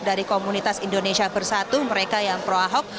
dari komunitas indonesia bersatu mereka yang pro ahok